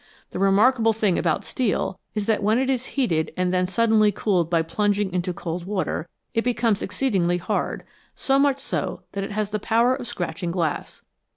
The remarkable thing about steel is that when it is heated and then suddenly cooled by plunging into cold water it becomes exceedingly hard, so much so that it has the power of scratching glass.